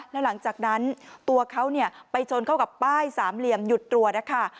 แล้วหลังจากนั้นตัวเขาไปชนเข้ากับป้ายสามเหลี่ยมหยุดตรวจนะคะ